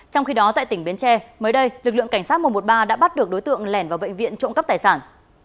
trong khi đó tại tỉnh bến tre mới đây lực lượng cảnh sát một trăm một mươi ba đã bắt được đối tượng lẻn vào bệnh viện trộm cắp tài sản